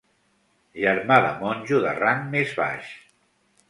Germà de monjo de rang més baix.